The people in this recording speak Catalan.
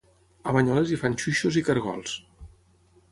A Banyoles hi fan xuixos i cargols